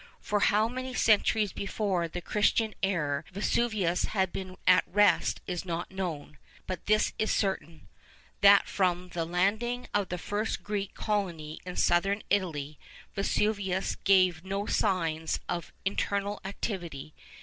For how many centuries before the Christian era Vesuvius had been at rest is not known; but this is certain, that from the landing of the first Greek colony in Southern Italy, Vesuvius gave no signs of internal activity.